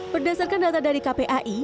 berdasarkan data dari kpai